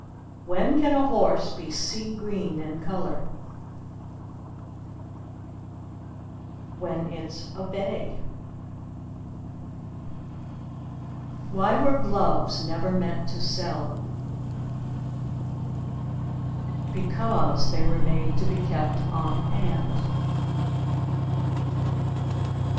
When can a horse be sea green in color? When it's a bay. Why were gloves never meant to sell? Because they were made to be kept on hand.